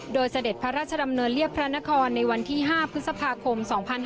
โดยเสด็จพระราชดำเนินเรียบพระนครในวันที่๕พฤษภาคม๒๕๕๙